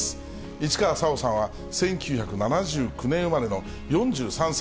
市川沙央さんは１９７９年生まれの４３歳。